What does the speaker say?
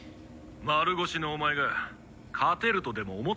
丸腰のお前が勝てるとでも思ってんのか？